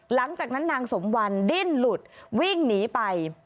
หลังจากนั้นนางสมวันดิ้นหลุดวิ่งหนีไป